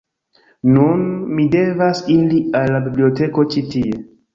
Nun, mi devas iri al la biblioteko ĉi tie